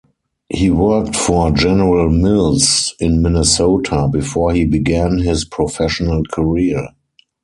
He worked for General Mills in Minnesota before he began his professional career.